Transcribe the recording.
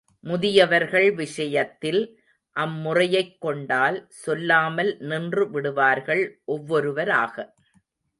முதியவர்கள் விஷயத்தில், அம்முறையைக் கொண்டால், சொல்லாமல் நின்று விடுவார்கள் ஒவ்வொருவராக.